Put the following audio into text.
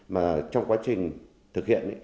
mà trong quá trình thực hiện